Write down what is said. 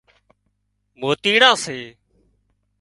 موتيڙان سي